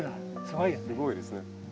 すごいですね。